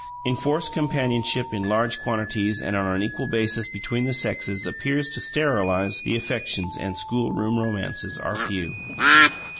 Enforced companionship in large quantities and on an equal basis between the sexes appears to sterilize the affections, and schoolroom romances are few.